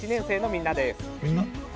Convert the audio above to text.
みんな？